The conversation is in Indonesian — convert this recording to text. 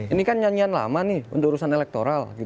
ini kan nyanyian lama nih untuk urusan elektoral